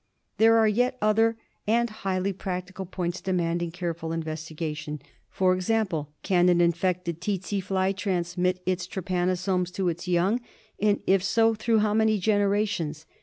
There are yet other and highly practical points demanding careful investigation. For example : Can an infected tsetse fly transmit its trypanosomes to its young, and if so, through how many generations